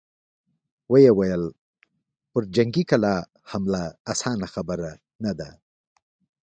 ويې ويل: پر جنګي کلا حمله اسانه خبره نه ده!